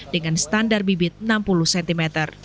dengan standar bibit enam puluh cm